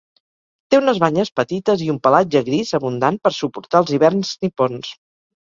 Té unes banyes petites i un pelatge gris abundant per suportar els hiverns nipons.